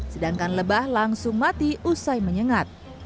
sedangkan lebah langsung mati usai menyengat